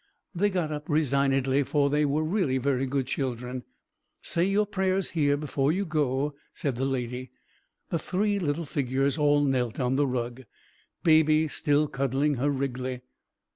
They got up resignedly, for they were really very good children. "Say your prayers here before you go," said the Lady. The three little figures all knelt on the rug, Baby still cuddling her Wriggly.